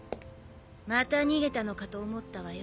また逃げたのかと思ったわよ。